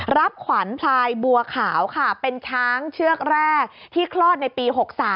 รับขวัญพลายบัวขาวค่ะเป็นช้างเชือกแรกที่คลอดในปี๖๓